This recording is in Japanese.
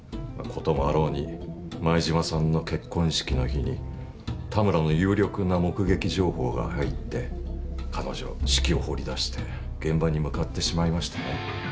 事もあろうに舞島さんの結婚式の日に田村の有力な目撃情報が入って彼女式を放り出して現場に向かってしまいましてね。